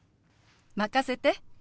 任せて。